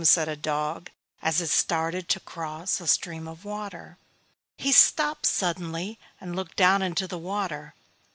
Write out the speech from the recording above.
said a dog as it started to cross a stream of water. He stopped suddenly and looked down into the water.